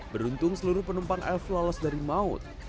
beruntung seluruh penumpang f lolos dari maut